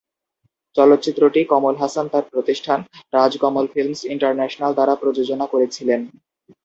চলচ্চিত্রটি কমল হাসান তার প্রতিষ্ঠান 'রাজ কমল ফিল্মস ইন্টারন্যাশনাল' দ্বারা প্রযোজনা করেছিলেন।